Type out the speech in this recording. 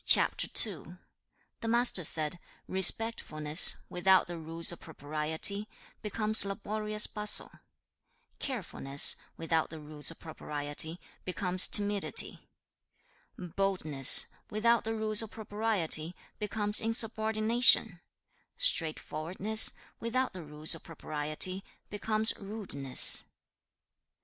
The Master said, 'Respectfulness, without the rules of propriety, becomes laborious bustle; carefulness, without the rules of propriety, becomes timidity; boldness, without the rules of propriety, becomes insubordination; straightforwardness, without the rules of propriety, becomes rudeness.